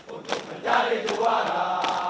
untuk menjadi juara